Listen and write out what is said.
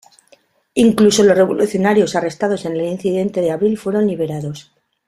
Incluso los revolucionarios arrestados en el incidente de abril fueron liberados.